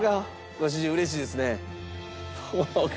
ご主人嬉しいですね。